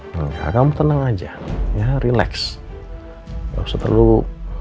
enggak kamu tenang aja ya relax gak usah terlalu